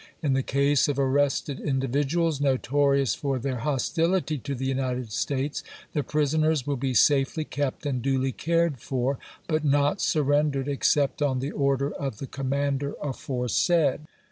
In the case of arrested individuals notorious for their hos tility to the United States, the prisoners will be safely kept and duly cared for, but not surrendered except on the order of the commander aforesaid.